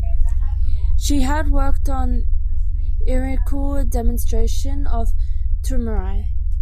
She has worked on lyrical demonstration of Thumri.